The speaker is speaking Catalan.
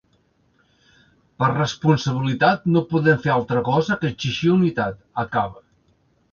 Per responsabilitat, no podem fer altra cosa que exigir unitat, acaba.